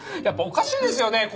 やっぱおかしいですよね